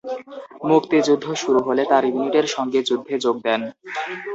মুক্তিযুদ্ধ শুরু হলে তার ইউনিটের সঙ্গে যুদ্ধে যোগ দেন।